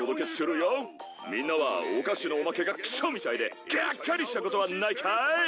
みんなはお菓子のおまけがクソみたいでがっかりしたことはないかい？